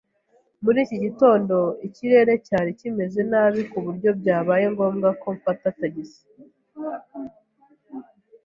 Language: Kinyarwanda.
Muri iki gitondo ikirere cyari kimeze nabi ku buryo byabaye ngombwa ko mfata tagisi.